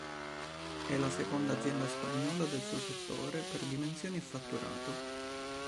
È la seconda azienda spagnola del suo settore, per dimensioni e fatturato.